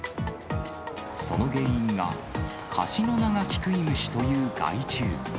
その原因が、カシノナガキクイムシという害虫。